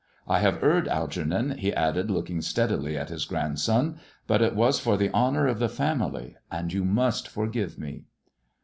I have erred, Algernon," he added, looking steadily at his grandson, " but it was for the honour of the family, and you must forgive me."